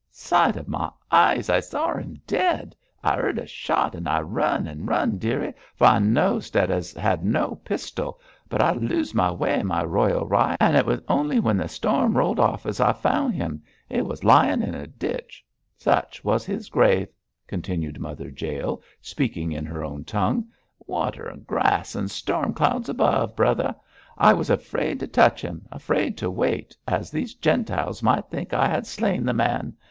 'Sight of my eyes, I sawr 'im dead. I 'eard a shot, and I run, and run, dearie, fur I know'd as 'e 'ad no pistol; but I los' m'way, my royal rye, and it was ony when th' storm rolled off as I foun' 'im. He was lyin' in a ditch. Such was his grave,' continued Mother Jael, speaking in her own tongue, 'water and grass and storm clouds above, brother. I was afraid to touch him, afraid to wait, as these Gentiles might think I had slain the man.